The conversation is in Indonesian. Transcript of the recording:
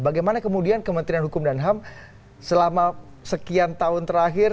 bagaimana kemudian kementerian hukum dan ham selama sekian tahun terakhir